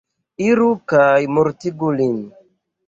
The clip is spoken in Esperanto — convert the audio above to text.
Iru kaj mortigu lin.